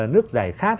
nước giải khát